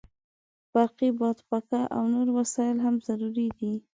برقي بادپکه او نور وسایل هم ضروري دي.